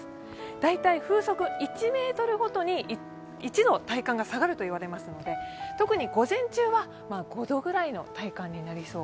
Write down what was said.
大体、風速１ｍごとに１度体感が下がると言われますので、特に午前中は５度ぐらいの体感になりそう。